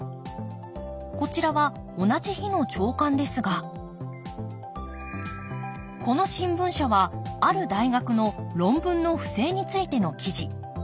こちらは同じ日の朝刊ですがこの新聞社はある大学の論文の不正についての記事。